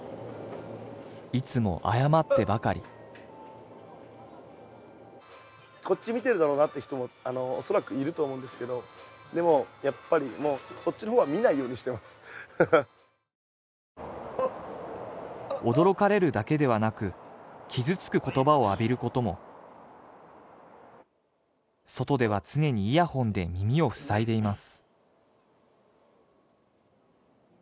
いつも謝ってばかりこっち見てるだろうなって人もおそらくいると思うんですけどでもやっぱりもうそっちの方は見ないようにしてますおっあっあっ驚かれるだけではなく傷つく言葉を浴びることも外では常にイヤホンで耳をふさいでいます